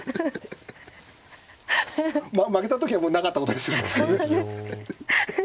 負けた時はもうなかったことにするんですけどね。